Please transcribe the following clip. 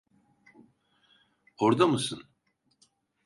Orda mısın?